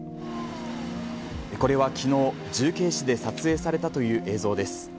これはきのう、重慶市で撮影されたという映像です。